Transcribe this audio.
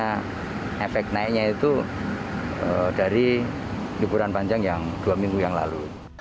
karena efek naiknya itu dari liburan panjang yang dua minggu yang lalu